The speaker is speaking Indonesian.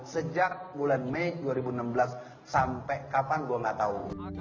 sejak bulan mei dua ribu enam belas sampai kapan gue gak tahu